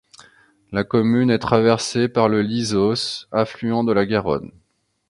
La commune est traversée par le Lisos affluent de la Garonne.